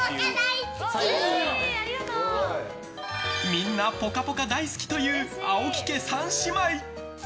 みんな、「ぽかぽか」大好きという青木家３姉妹。